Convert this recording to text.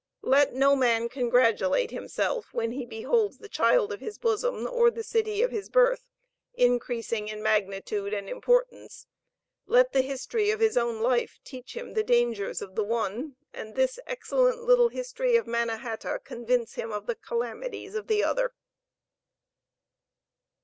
Let no man congratulate himself when he beholds the child of his bosom, or the city of his birth, increasing in magnitude and importance, let the history of his own life teach him the dangers of the one, and this excellent little history of Manna hata convince him of the calamities of the other.